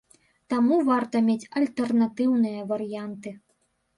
Таму варта мець альтэрнатыўныя варыянты.